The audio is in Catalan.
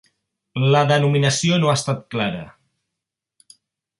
La denominació no ha estat clara.